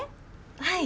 はい。